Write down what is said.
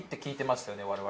我々。